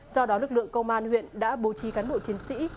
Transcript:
do đó lực lượng công an huyện đã bố trí cán bộ chiến sĩ